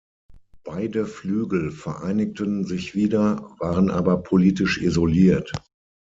Beide Flügel vereinigten sich wieder, waren aber politisch isoliert.